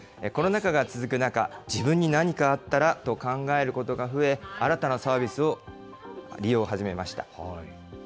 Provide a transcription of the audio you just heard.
コロナ禍が続く中、自分に何かあったらと考えることが増え、新たなサービスの利用を始めました。